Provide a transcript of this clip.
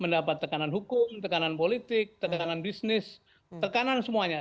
mendapat tekanan hukum tekanan politik tekanan bisnis tekanan semuanya